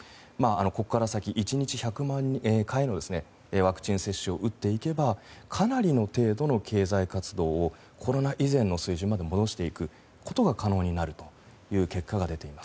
ここから先、１日１００万回のワクチン接種を行っていけばかなりの程度の経済活動をコロナ以前の水準まで戻していくことが可能になるという結果が出ています。